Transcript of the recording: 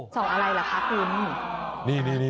ส่องอะไรล่ะคะคุณ